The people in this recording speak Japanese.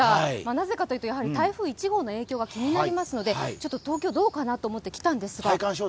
なぜかというと、台風１号の影響が気になりますので、東京、どうかなと思って来たんですけど。